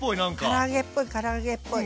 から揚げっぽいから揚げっぽい。